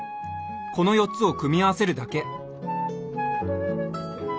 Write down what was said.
この４つを組み合わせるだけ。